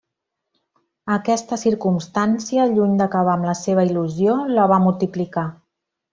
Aquesta circumstància, lluny d'acabar amb la seva il·lusió, la va multiplicar.